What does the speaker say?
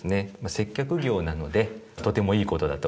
接客業なのでとてもいいことだと思います。